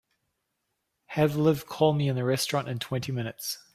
Have Liv call me in the restaurant in twenty minutes.